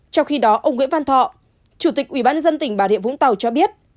trong khi đó ông nguyễn văn thọ chủ tịch ubnd tỉnh bà rịa vũng tàu cho biết